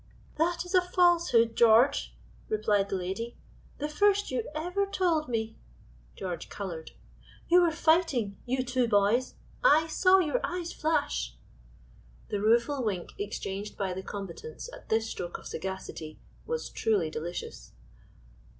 "That is a falsehood, George," replied the lady, "the first you ever told me" (George colored) "you were fighting, you two boys I saw your eyes flash!" The rueful wink exchanged by the combatants at this stroke of sagacity was truly delicious.